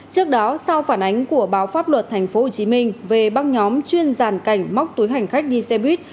trước đó sau phản ánh của báo pháp luật thành phố hồ chí minh về bắt nhóm chuyên giàn cảnh móc túi hành khách đi xe buýt